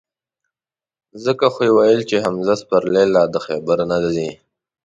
ځکه خو یې ویل چې: حمزه سپرلی لا د خیبره نه ځي.